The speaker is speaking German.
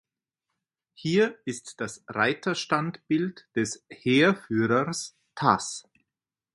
Hier ist das Reiterstandbild des Heerführers Tas.